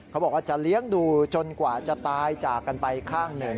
เขาบอกว่าจะเลี้ยงดูจนกว่าจะตายจากกันไปข้างหนึ่ง